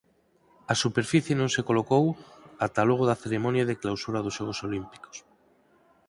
A superficie non se colocou ata logo da cerimonia de clausura dos Xogos Olímpicos.